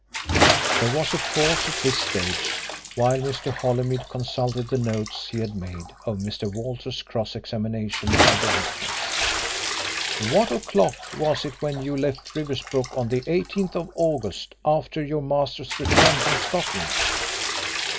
There was a pause at this stage while Mr. Holymead consulted the notes he had made of Mr. Walters's cross examination of the witness. "What o'clock was it when you left Riversbrook on the 18th of August after your master's return from Scotland?"